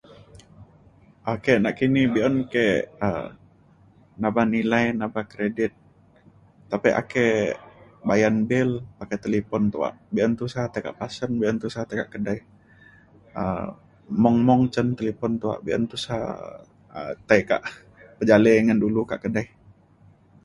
ake nakini be’un ke um nabah nilai nabah kredit tapek ake bayan bil pakai talipon tuak be’un tusah tai kak pasen be’un tusah tai kak kedai um mung mung cen talipon tuak be’un tusah um tai kak pejalei ngan dulu kak kedai